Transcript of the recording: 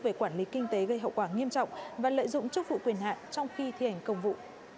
về quản lý kinh tế gây hậu quả nghiêm trọng và lợi dụng chức vụ quyền hạn trong khi thi hành công vụ